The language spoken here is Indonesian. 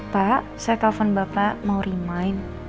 pak saya telepon bapak mau remind